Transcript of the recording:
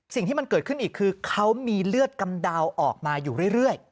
สิ่งที่มันเกิดขึ้นอีกคือเขามีเลือดกำเดาออกมาอยู่เรื่อย